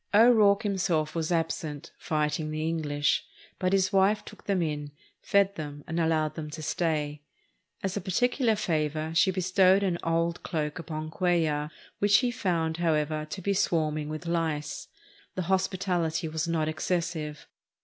O'Rourke himself was absent, "fighting the English," but his wife took them in, fed them, and allowed them to stay. As a particular favor she bestowed an old cloak upon Cuellar, which he found, however, to be swarming with lice. The hospitality was not excessive.